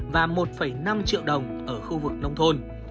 và một năm triệu đồng ở khu vực nông thôn